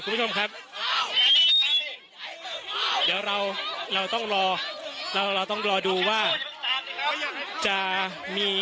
คุณผู้ชมครับเดี๋ยวเราเราต้องรอเราเราต้องรอดูว่าจะมี